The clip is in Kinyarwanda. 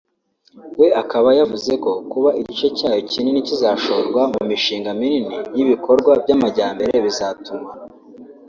we akaba yavuzeko kuba igice cyayo kinini kizashorwa mu mishinga minini y’ibikorwa by’amajyambere bizatuma